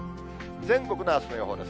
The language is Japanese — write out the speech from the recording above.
全国のあすの予報です。